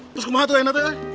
terus kemana tuh nato